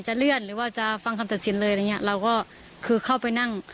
เลื่อนหรือว่าจะฟังคำตัดสินเลยอะไรอย่างเงี้ยเราก็คือเข้าไปนั่ง